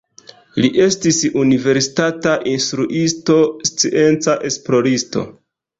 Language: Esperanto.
Li estis universitata instruisto, scienca esploristo.